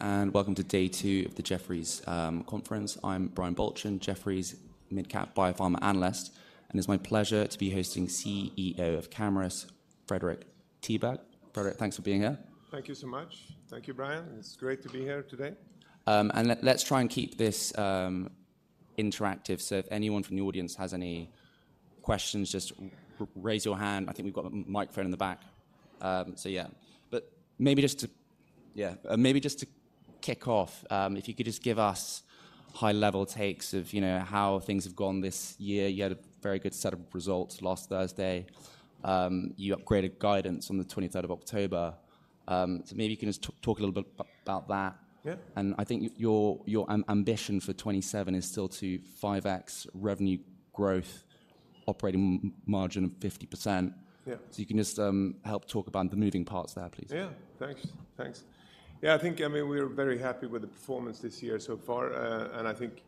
Welcome to day two of the Jefferies conference. I'm Brian Balchin, Jefferies mid-cap biopharma analyst, and it's my pleasure to be hosting CEO of Camurus Fredrik Tiberg. Fredrik, thanks for being here. Thank you so much. Thank you, Brian. It's great to be here today. Let's try and keep this interactive, so if anyone from the audience has any questions, just raise your hand. I think we've got a microphone in the back, so yeah. Maybe just to, yeah, maybe just to kick off, if you could just give us high-level takes of, you know, how things have gone this year. You had a very good set of results last Thursday. You upgraded guidance on the 23rd of October. Maybe you can just talk a little bit about that. Yeah. I think your ambition for 2027 is still to 5x revenue growth, operating margin of 50%. Yeah. So you can just help talk about the moving parts there, please. Yeah, thanks. Thanks. Yeah, I think, I mean, we're very happy with the performance this year so far, and I think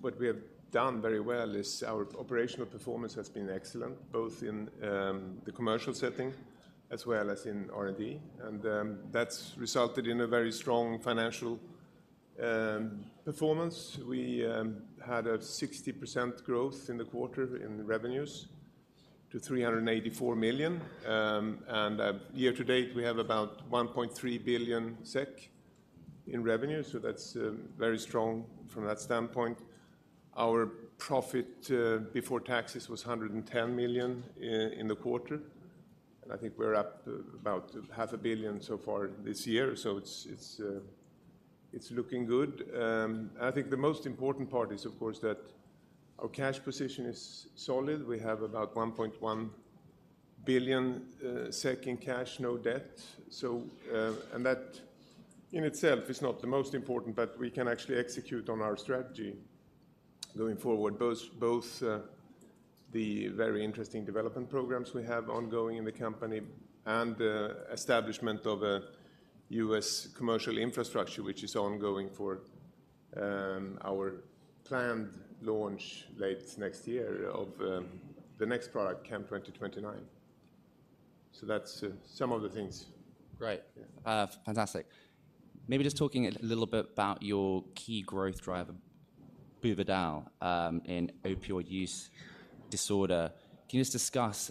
what we have done very well is our operational performance has been excellent, both in the commercial setting as well as in R&D, and that's resulted in a very strong financial performance. We had a 60% growth in the quarter in revenues to 384 million, and year to date we have about 1.3 billion SEK in revenue, so that's very strong from that standpoint. Our profit before taxes was 110 million in the quarter, and I think we're up about 500 million so far this year, so it's, it's, it's looking good. And I think the most important part is, of course, that our cash position is solid. We have about 1.1 billion SEK in cash, no debt, and that in itself is not the most important, but we can actually execute on our strategy going forward, both the very interesting development programs we have ongoing in the company and the establishment of a U.S. commercial infrastructure, which is ongoing for our planned launch late next year of the next product, CAM2029. So that's some of the things. Great. Fantastic. Maybe just talking a little bit about your key growth driver, Buvidal, in opioid use disorder. Can you just discuss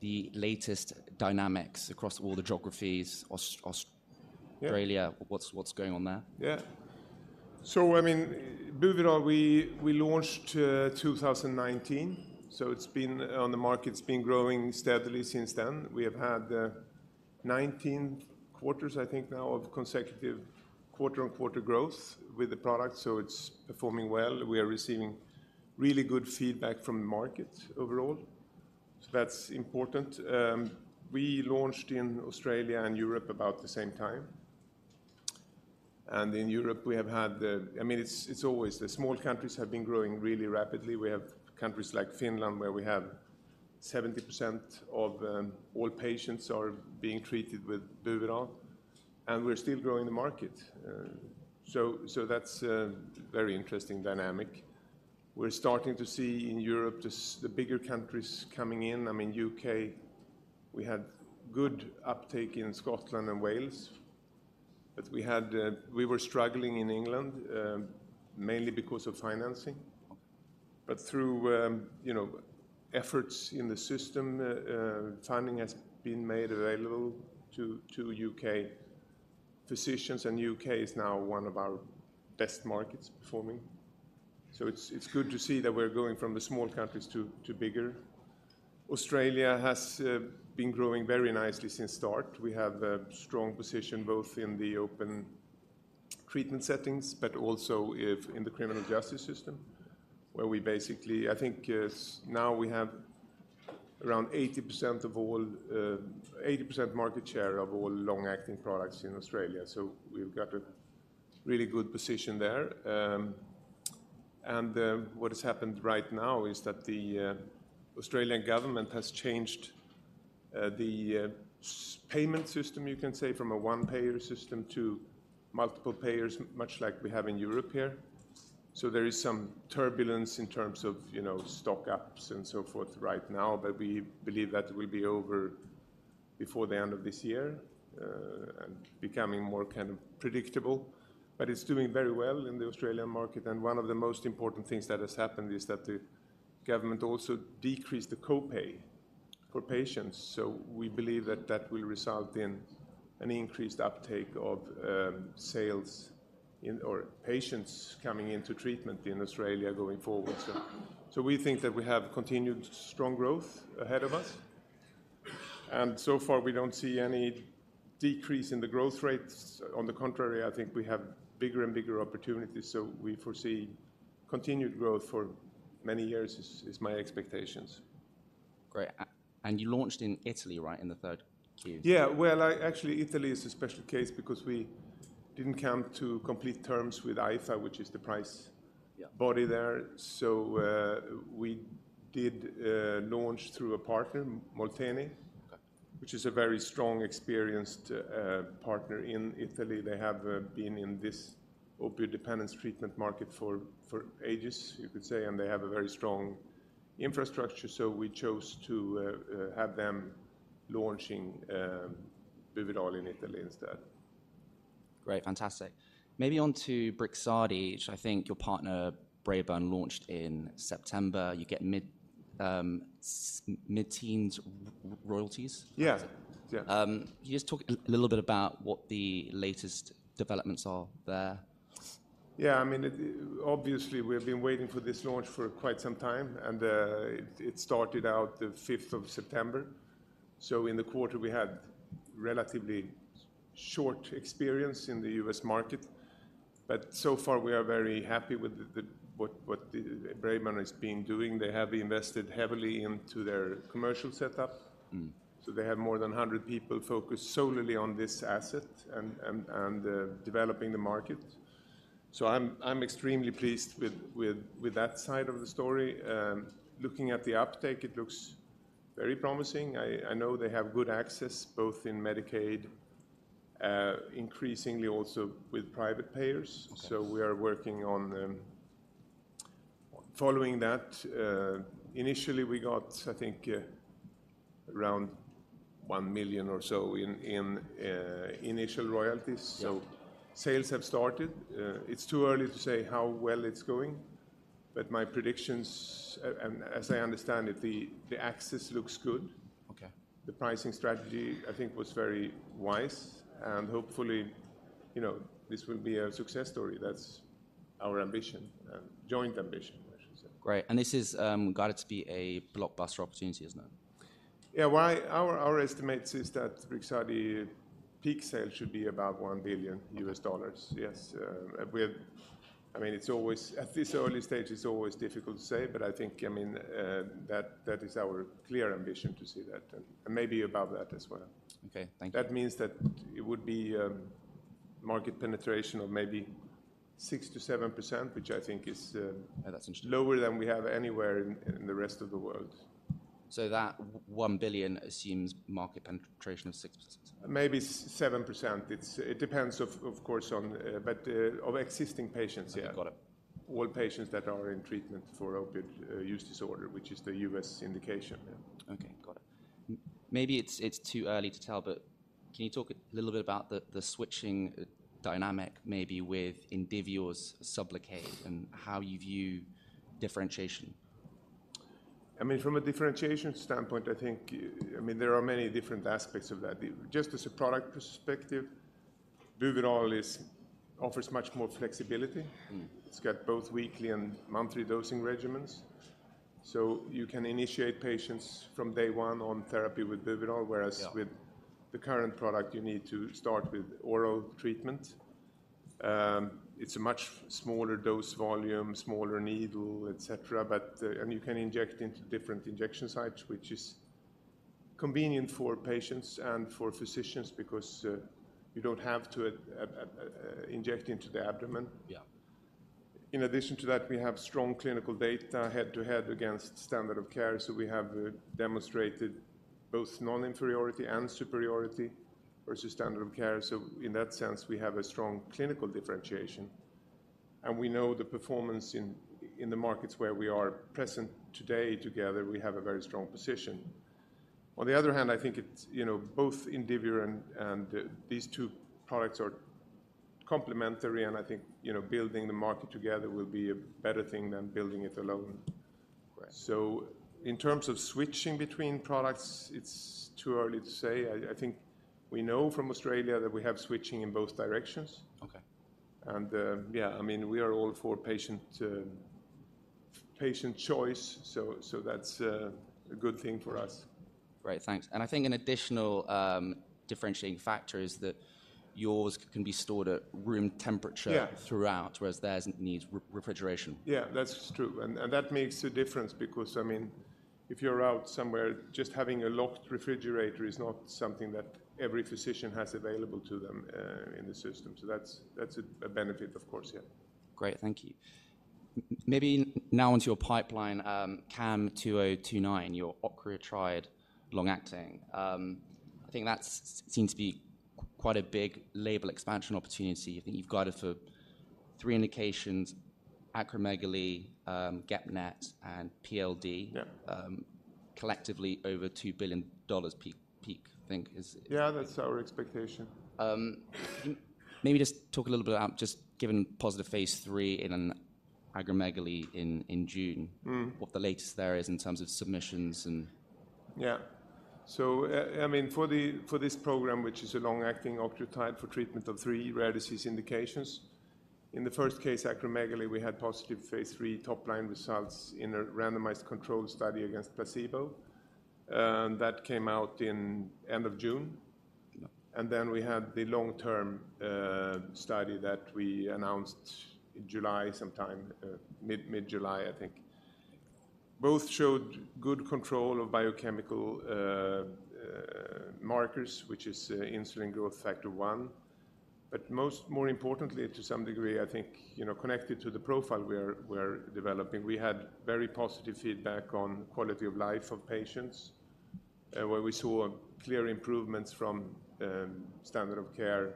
the latest dynamics across all the geographies, Australia, what's going on there? Yeah. So, I mean, Buvidal, we launched 2019, so it's been on the market, it's been growing steadily since then. We have had 19 quarters, I think now, of consecutive quarter-on-quarter growth with the product, so it's performing well. We are receiving really good feedback from the market overall, so that's important. We launched in Australia and Europe about the same time. And in Europe we have had, I mean, it's always the small countries have been growing really rapidly. We have countries like Finland where we have 70% of all patients are being treated with Buvidal, and we're still growing the market. So that's very interesting dynamic. We're starting to see in Europe the bigger countries coming in. I mean, U.K., we had good uptake in Scotland and Wales, but we were struggling in England, mainly because of financing. But through, you know, efforts in the system, funding has been made available to UK physicians, and the UK is now one of our best performing markets. So it's good to see that we're going from the small countries to bigger. Australia has been growing very nicely since start. We have a strong position both in the open treatment settings, but also in the criminal justice system, where we basically, I think, now we have around 80% of all, 80% market share of all long-acting products in Australia, so we've got a really good position there. What has happened right now is that the Australian government has changed the payment system, you can say, from a one-payer system to multiple payers, much like we have in Europe here. So there is some turbulence in terms of, you know, stock-ups and so forth right now, but we believe that it will be over before the end of this year, and becoming more kind of predictable. But it's doing very well in the Australian market, and one of the most important things that has happened is that the government also decreased the copay for patients, so we believe that that will result in an increased uptake of, sales in or patients coming into treatment in Australia going forward. So, so we think that we have continued strong growth ahead of us, and so far we don't see any decrease in the growth rates. On the contrary, I think we have bigger and bigger opportunities, so we foresee continued growth for many years, is my expectations. Great. You launched in Italy, right, in the third year? Yeah, well, actually, Italy is a special case because we didn't come to complete terms with AIFA, which is the pricing body there, so we did launch through a partner, Molteni, which is a very strong, experienced partner in Italy. They have been in this opioid dependence treatment market for ages, you could say, and they have a very strong infrastructure, so we chose to have them launching Buvidal in Italy instead. Great, fantastic. Maybe on to Brixadi, which I think your partner, Braeburn, launched in September. You get mid, mid-teens royalties? Yeah, yeah. Can you just talk a little bit about what the latest developments are there? Yeah, I mean, obviously we've been waiting for this launch for quite some time, and it started out the 5th of September, so in the quarter we had relatively short experience in the U.S. market. But so far we are very happy with what Braeburn has been doing. They have invested heavily into their commercial setup, so they have more than 100 people focused solely on this asset and developing the market. So I'm extremely pleased with that side of the story. Looking at the uptake, it looks very promising. I know they have good access both in Medicaid, increasingly also with private payers, so we are working on following that. Initially we got, I think, around $1 million or so in initial royalties, so sales have started. It's too early to say how well it's going, but my predictions, and as I understand it, the access looks good. Okay. The pricing strategy, I think, was very wise, and hopefully, you know, this will be a success story. That's our ambition, joint ambition, I should say. Great, and this has got to be a blockbuster opportunity, hasn't it? Yeah, well, our estimates is that Brixadi peak sale should be about $1 billion, yes. We're, I mean, it's always, at this early stage, it's always difficult to say, but I think, I mean, that is our clear ambition to see that, and maybe above that as well. Okay, thank you. That means that it would be market penetration of maybe 6%-7%, which I think is lower than we have anywhere in the rest of the world. That $1 billion assumes market penetration of 6%? Maybe 7%. It depends, of course, but of existing patients, yeah. Got it. All patients that are in treatment for opioid use disorder, which is the U.S. indication, yeah. Okay, got it. Maybe it's too early to tell, but can you talk a little bit about the switching dynamic maybe with Indivior's Sublocade and how you view differentiation? I mean, from a differentiation standpoint, I think, I mean, there are many different aspects of that. Just as a product perspective, Buvidal offers much more flexibility. It's got both weekly and monthly dosing regimens, so you can initiate patients from day one on therapy with Buvidal, whereas with the current product you need to start with oral treatment. It's a much smaller dose volume, smaller needle, etc., but, and you can inject into different injection sites, which is convenient for patients and for physicians because, you don't have to, inject into the abdomen. Yeah. In addition to that, we have strong clinical data head-to-head against standard of care, so we have demonstrated both non-inferiority and superiority versus standard of care, so in that sense we have a strong clinical differentiation, and we know the performance in the markets where we are present today together, we have a very strong position. On the other hand, I think it's, you know, both Indivior and these two products are complementary, and I think, you know, building the market together will be a better thing than building it alone. Great. In terms of switching between products, it's too early to say. I think we know from Australia that we have switching in both directions. Okay. Yeah, I mean, we are all for patient choice, so that's a good thing for us. Great, thanks. I think an additional, differentiating factor is that yours can be stored at room temperature throughout, whereas theirs needs refrigeration. Yeah, that's true, and that makes a difference because, I mean, if you're out somewhere, just having a locked refrigerator is not something that every physician has available to them in the system, so that's a benefit, of course, yeah. Great, thank you. Maybe now onto your pipeline, CAM2029, your octreotide long-acting. I think that seems to be quite a big label expansion opportunity. I think you've guided for three indications: acromegaly, GEP-NET, and PLD. Yeah. collectively over $2 billion peak, peak, I think, is it? Yeah, that's our expectation. Maybe just talk a little bit about just given positive phase 3 in acromegaly in June, what the latest there is in terms of submissions and. Yeah. So, I mean, for this program, which is a long-acting octreotide for treatment of three rare disease indications, in the first case, acromegaly, we had positive phase 3 top-line results in a randomized controlled study against placebo, and that came out in end of June. And then we had the long-term study that we announced in July sometime, mid-July, I think. Both showed good control of biochemical markers, which is insulin-like growth factor 1. But most, more importantly, to some degree, I think, you know, connected to the profile we are developing, we had very positive feedback on quality of life of patients, where we saw clear improvements from standard of care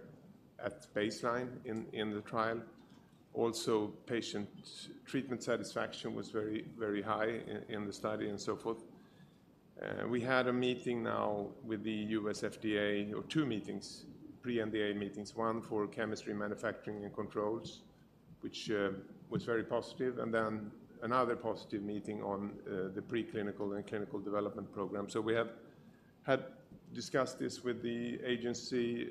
at baseline in the trial. Also, patient treatment satisfaction was very, very high in the study and so forth. We had a meeting now with the U.S. FDA or two meetings, pre-NDA meetings, 1 for chemistry manufacturing and controls, which was very positive, and then another positive meeting on the preclinical and clinical development program. So we have had discussed this with the agency,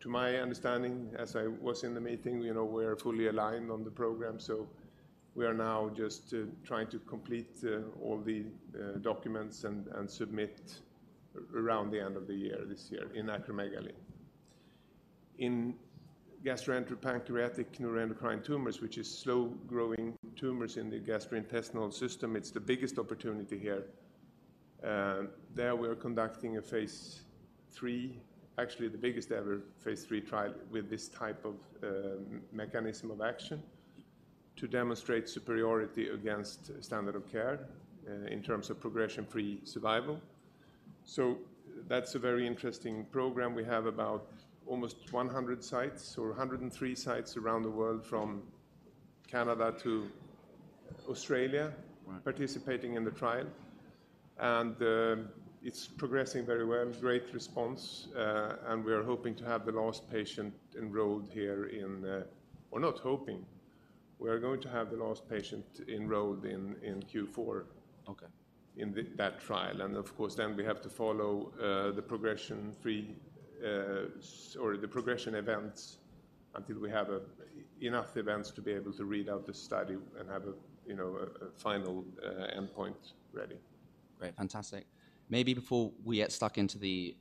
to my understanding, as I was in the meeting, you know, we're fully aligned on the program, so we are now just trying to complete all the documents and submit around the end of the year this year in acromegaly. In gastroenteropancreatic neuroendocrine tumors, which is slow-growing tumors in the gastrointestinal system, it's the biggest opportunity here. There we are conducting a phase 3, actually the biggest ever phase 3 trial with this type of mechanism of action to demonstrate superiority against standard of care, in terms of progression-free survival. So that's a very interesting program. We have about almost 100 sites or 103 sites around the world from Canada to Australia participating in the trial. It's progressing very well, great response, and we are hoping to have the last patient enrolled here in; we're not hoping. We are going to have the last patient enrolled in Q4. Okay. In that trial, and of course then we have to follow the progression-free, or the progression events until we have enough events to be able to read out this study and have a, you know, a final endpoint ready. Great, fantastic. Maybe before we get stuck into the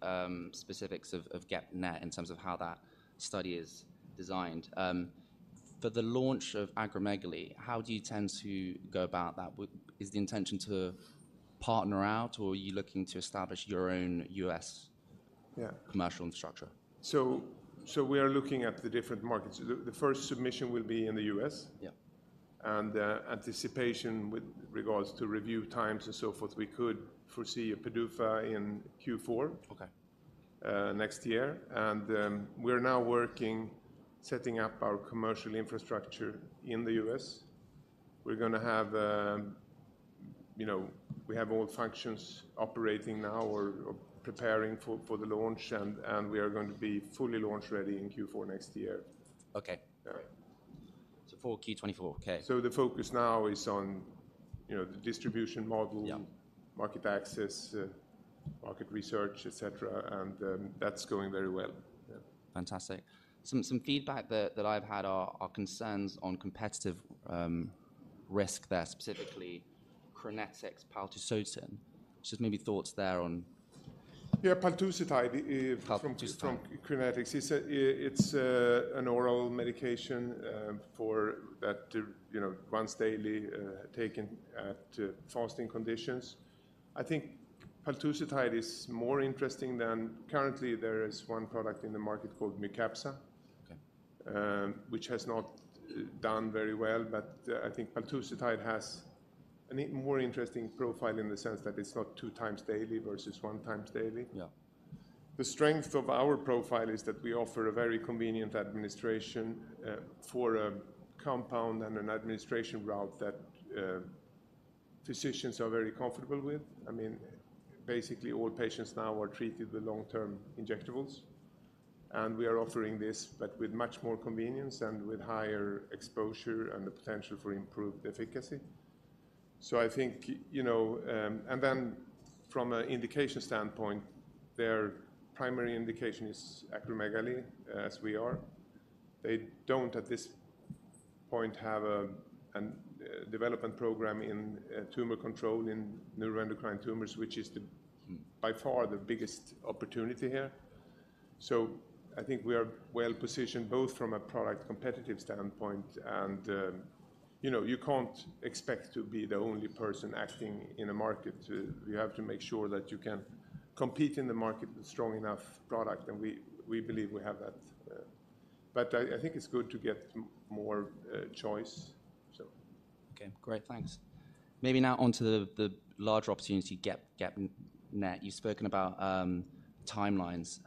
specifics of GEP-NET in terms of how that study is designed, for the launch of acromegaly, how do you tend to go about that? Is the intention to partner out, or are you looking to establish your own U.S. commercial infrastructure? So we are looking at the different markets. The first submission will be in the U.S., yeah, and anticipation with regards to review times and so forth, we could foresee a PDUFA in Q4, okay, next year, and we're now working setting up our commercial infrastructure in the U.S. We're going to have, you know, we have all functions operating now or preparing for the launch, and we are going to be fully launch-ready in Q4 next year. Okay, great. So for Q24, okay. So the focus now is on, you know, the distribution model, market access, market research, etc., and, that's going very well. Fantastic. Some feedback that I've had are concerns on competitive risk there, specifically Crinetics, paltusotine. Just maybe thoughts there on. Yeah, paltusotine is from Crinetics. It's an oral medication, for that, you know, once daily, taken at fasting conditions. I think paltusotine is more interesting than currently there is one product in the market called Mycapssa, which has not done very well, but I think paltusotine has a more interesting profile in the sense that it's not two times daily versus one times daily. Yeah, the strength of our profile is that we offer a very convenient administration, for a compound and an administration route that physicians are very comfortable with. I mean, basically all patients now are treated with long-term injectables, and we are offering this, but with much more convenience and with higher exposure and the potential for improved efficacy. So I think, you know, and then from an indication standpoint, their primary indication is acromegaly, as we are. They don't, at this point, have a development program in tumor control in neuroendocrine tumors, which is by far the biggest opportunity here. So I think we are well positioned both from a product competitive standpoint and, you know, you can't expect to be the only person acting in a market. You have to make sure that you can compete in the market with strong enough product, and we believe we have that. But I think it's good to get more choice, so. Okay, great, thanks. Maybe now onto the larger opportunity, GEP-NET. You've spoken about timelines.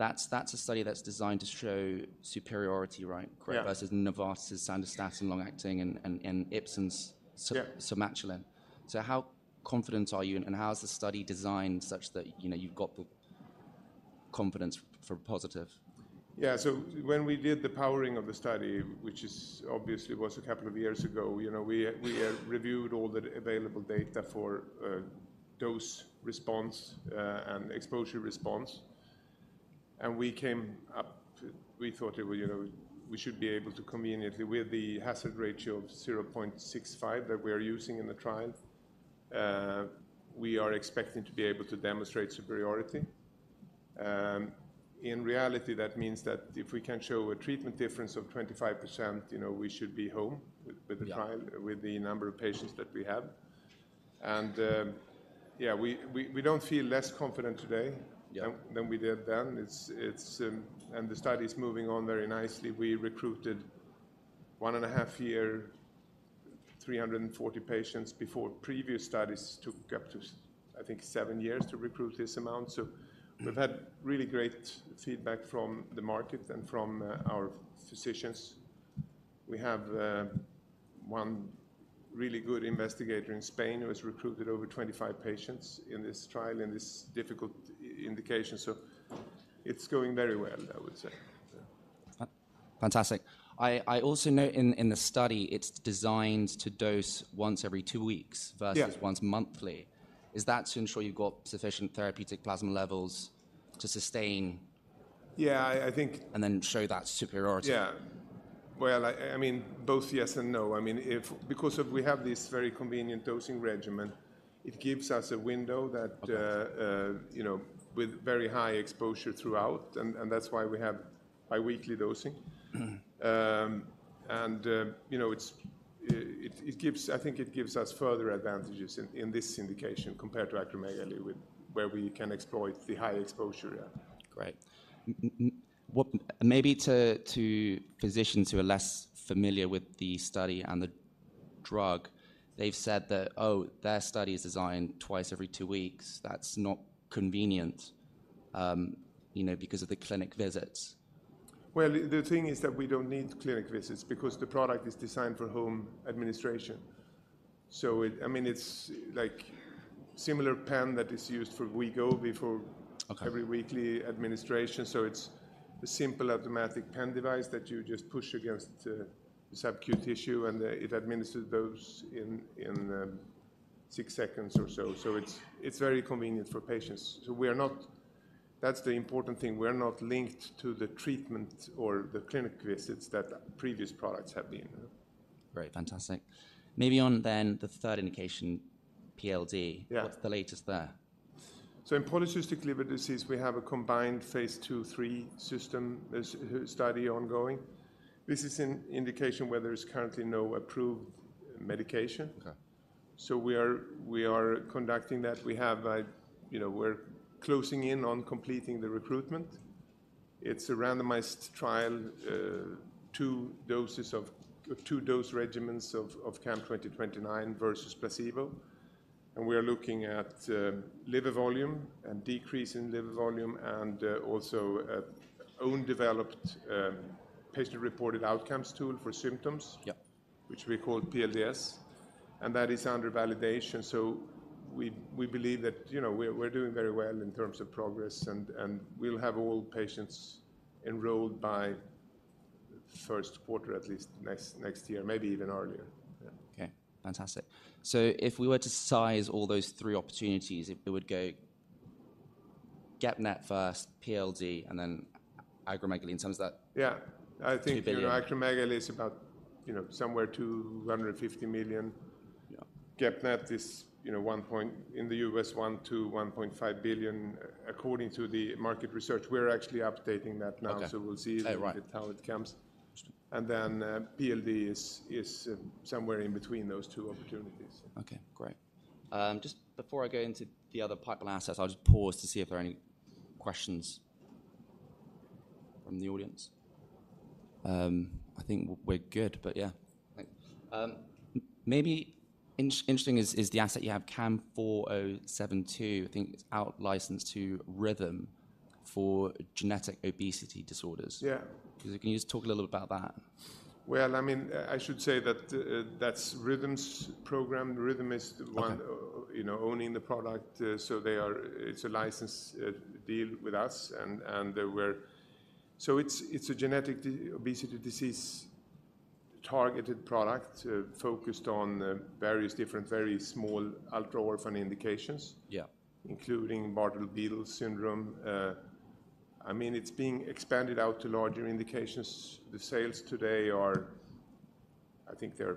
That's a study that's designed to show superiority, right? Correct, versus Novartis's Sandostatin long-acting, and Ipsen's Somatuline. So how confident are you, and how is the study designed such that, you know, you've got the confidence for positive? Yeah, so when we did the powering of the study, which is obviously was a couple of years ago, you know, we, we reviewed all the available data for dose response, and exposure response, and we came up, we thought it would, you know, we should be able to conveniently with the hazard ratio of 0.65 that we are using in the trial. We are expecting to be able to demonstrate superiority. In reality, that means that if we can show a treatment difference of 25%, you know, we should be home with, with the trial, with the number of patients that we have. And, yeah, we, we, we don't feel less confident today than, than we did then. It's, it's, and the study is moving on very nicely. We recruited 1.5 years, 340 patients before previous studies took up to, I think, 7 years to recruit this amount. So we've had really great feedback from the market and from our physicians. We have one really good investigator in Spain who has recruited over 25 patients in this trial in this difficult indication. So it's going very well, I would say. Fantastic. I also note in the study, it's designed to dose once every two weeks versus once monthly. Is that to ensure you've got sufficient therapeutic plasma levels to sustain? Yeah, I think. And then show that superiority. Yeah. Well, I mean, both yes and no. I mean, if because we have this very convenient dosing regimen, it gives us a window that, you know, with very high exposure throughout, and that's why we have biweekly dosing. And, you know, it gives, I think it gives us further advantages in this indication compared to acromegaly, where we can exploit the high exposure. Great. What maybe to physicians who are less familiar with the study and the drug, they've said that, oh, their study is designed twice every two weeks. That's not convenient, you know, because of the clinic visits. Well, the thing is that we don't need clinic visits because the product is designed for home administration. So it, I mean, it's like similar pen that is used for Wegovy for every weekly administration. So it's a simple automatic pen device that you just push against the subcutaneous tissue, and it administers those in six seconds or so. So it's very convenient for patients. So we are not, that's the important thing. We're not linked to the treatment or the clinic visits that previous products have been. Great, fantastic. Maybe on then the third indication, PLD. What's the latest there? So in polycystic liver disease, we have a combined phase two, three systemic study ongoing. This is an indication where there's currently no approved medication. Okay, so we are conducting that. We have, you know, we're closing in on completing the recruitment. It's a randomized trial, two doses of two dose regimens of CAM2029 versus placebo. And we are looking at liver volume and decrease in liver volume and also own developed patient-reported outcomes tool for symptoms, yeah, which we call PLDS. And that is under validation. So we believe that, you know, we're doing very well in terms of progress and we'll have all patients enrolled by first quarter, at least next year, maybe even earlier. Okay, fantastic. So if we were to size all those three opportunities, it would go GEP-NET first, PLD, and then acromegaly in terms of that. Yeah, I think, you know, acromegaly is about, you know, somewhere $250 million. GEP-NET is, you know, one point in the U.S., $1.2-$1.5 billion, according to the market research. We're actually updating that now. So we'll see how it comes. Then, PLD is somewhere in between those two opportunities. Okay, great. Just before I go into the other pipeline assets, I'll just pause to see if there are any questions from the audience. I think we're good, but yeah. Maybe interesting is the asset you have, CAM4072, I think it's out licensed to Rhythm for genetic obesity disorders. Yeah, because I can just talk a little bit about that. Well, I mean, I should say that that's Rhythm's program. Rhythm is the one, you know, owning the product. So they are, it's a licensed deal with us. And, and we're, so it's, it's a genetic obesity disease targeted product focused on various different, very small ultra-orphan indications, yeah, including Bardet-Biedl Syndrome. I mean, it's being expanded out to larger indications. The sales today are, I think they're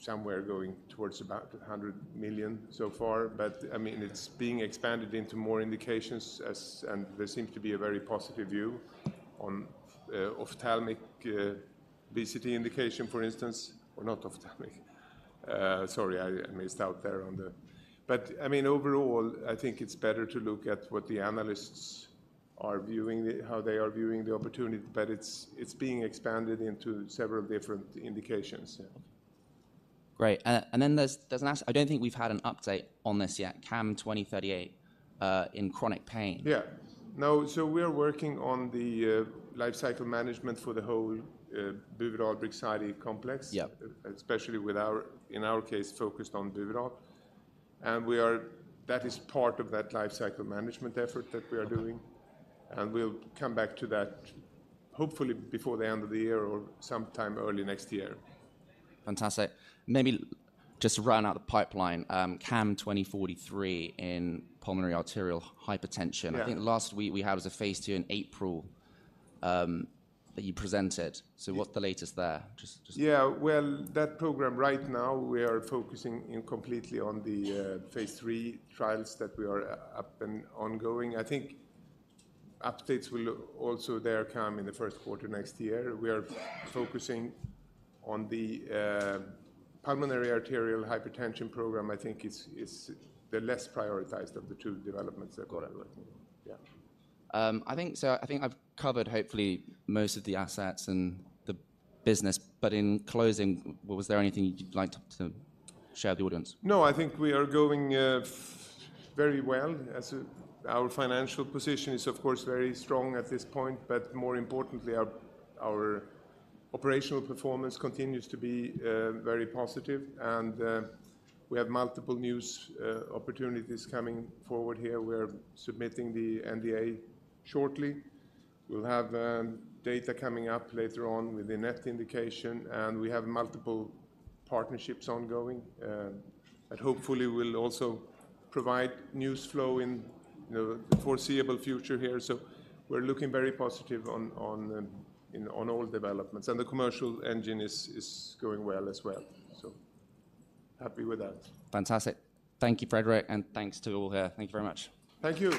somewhere going towards about $100 million so far, but I mean, it's being expanded into more indications as, and there seems to be a very positive view on, hypothalamic obesity indication, for instance, or not ophthalmic. Sorry, I missed out there on the, but I mean, overall, I think it's better to look at what the analysts are viewing, how they are viewing the opportunity, but it's, it's being expanded into several different indications. Great. And then there's an asset, I don't think we've had an update on this yet, CAM2038, in chronic pain. Yeah. No, so we're working on the lifecycle management for the whole Buvidal-Brixadi complex, especially with our, in our case, focused on Buvidal. And we are, that is part of that lifecycle management effort that we are doing. And we'll come back to that hopefully before the end of the year or sometime early next year. Fantastic. Maybe just run out of the pipeline, CAM2043 in pulmonary arterial hypertension. I think last week we had was a phase 2 in April, that you presented. So what's the latest there? Just, just. Yeah, well, that program right now, we are focusing completely on the phase three trials that we are up and ongoing. I think updates will also there come in the first quarter next year. We are focusing on the pulmonary arterial hypertension program. I think it's the less prioritized of the two developments that we're working on. Got it. Yeah. I think, so I think I've covered hopefully most of the assets and the business, but in closing, was there anything you'd like to share with the audience? No, I think we are going very well as our financial position is, of course, very strong at this point, but more importantly, our operational performance continues to be very positive. And we have multiple new opportunities coming forward here. We're submitting the NDA shortly. We'll have data coming up later on with the NET indication, and we have multiple partnerships ongoing. But hopefully we'll also provide news flow in, you know, the foreseeable future here. So we're looking very positive on all developments, and the commercial engine is going well as well. So happy with that. Fantastic. Thank you, Fredrik, and thanks to all here. Thanks very much. Thank you.